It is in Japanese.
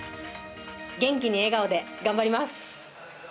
元気に笑顔で頑張ります！